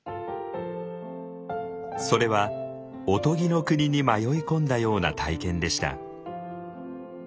それはおとぎの国に迷い込んだような体験でした。